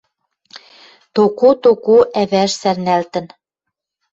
Токо, токо ӓвӓш сӓрнӓлтӹн.